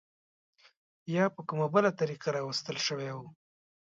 یا په کومه بله طریقه راوستل شوي وو.